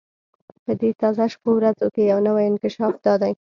په دې تازه شپو ورځو کې یو نوی انکشاف دا دی.